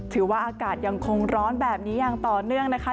ถือว่าอากาศยังคงร้อนแบบนี้อย่างต่อเนื่องนะคะ